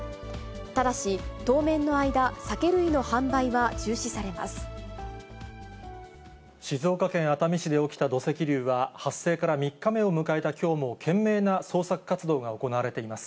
ただし、当面の間、酒類の販売は静岡県熱海市で起きた土石流は、発生から３日目を迎えたきょうも懸命な捜索活動が行われています。